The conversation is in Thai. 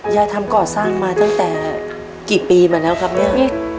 ยายทำก่อสร้างมาตั้งแต่กี่ปีมาแล้วครับเนี่ย